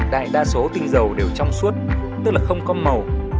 đại đa số tinh dầu đều trong suốt tức là không có màu